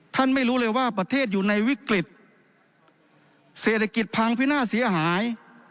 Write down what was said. ไม่รู้เลยว่าประเทศอยู่ในวิกฤตเศรษฐกิจพังพินาศเสียหาย